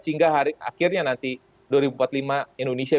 sehingga akhirnya nanti dua ribu empat puluh lima indonesia